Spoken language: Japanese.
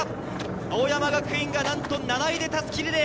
青山学院がなんと７位で襷リレー。